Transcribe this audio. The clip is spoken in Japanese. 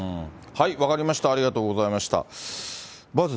分かりました、ありがとうございました。